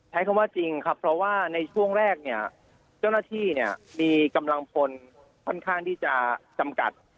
ใช้คำว่าจริงครับเพราะว่าในช่วงแรกเนี่ยเจ้าหน้าที่เนี่ยมีกำลังพลค่อนข้างที่จะจำกัด